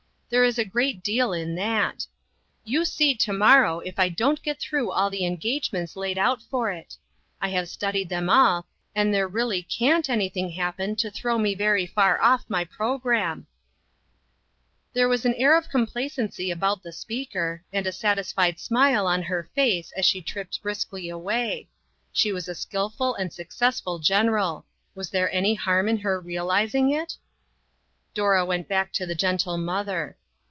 There is a great deal in that. You see, to morrow, if I don't get through with all the engagements laid out for it. I have studied them all, and there really can't REACHING INTO TO MORROW. IQ anything happen to throw me very far off my programme." There was an air of complacency about the speaker, and a satisfied smile on her face as she tripped briskly away. She was a skilful and successful general. Was there any harm in her realizing it? Dora went back to the gentle mother.